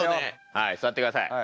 はい座ってください。